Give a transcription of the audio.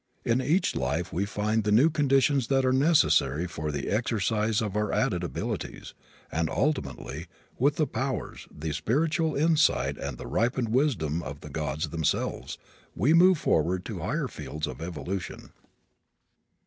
In each life we find the new conditions that are necessary for the exercise of our added abilities and, ultimately, with the powers, the spiritual insight and the ripened wisdom of the gods themselves, we move forward to higher fields of evolution.